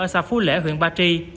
xa phu lễ huyện ba tri